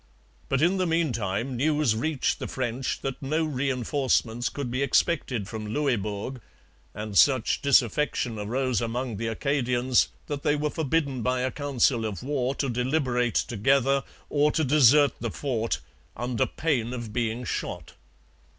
But, in the meantime, news reached the French that no reinforcements could be expected from Louisbourg; and such disaffection arose among the Acadians that they were forbidden by a council of war to deliberate together or to desert the fort under pain of being shot.